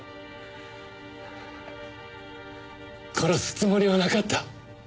殺すつもりはなかった。